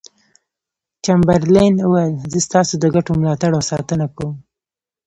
چمبرلاین وویل زه ستاسو د ګټو ملاتړ او ساتنه کوم.